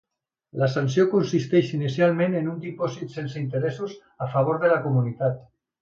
La sanció consisteix inicialment en un dipòsit sense interessos, a favor de la Comunitat.